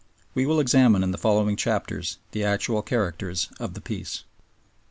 We will examine in the following chapters the actual character of the Peace.